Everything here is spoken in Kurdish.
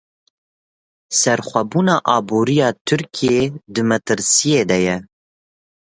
Serxwebûna aboriya Tirkiyeyê di metirsiyê de ye.